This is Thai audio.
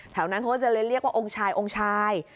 นั้นเขาก็จะเรียกว่าองค์ชายองค์ชาย